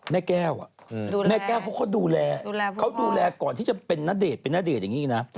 แม่แก้วแม่แก้วเขาก็ดูแลเขาดูแลก่อนที่จะเป็นณเดชน์เป็นณเดชน์อย่างนี้นะ